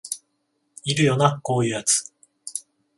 いるよなこういうやつ